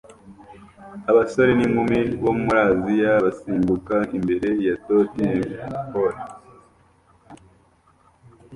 Abasore n'inkumi bo muri Aziya basimbuka imbere ya totem pole